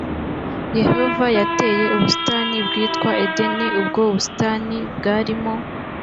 yehova yateye ubusitani bwitwa edeni ubwo busitani bwarimo